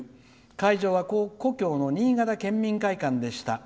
会場は故郷の新潟県民会館でした。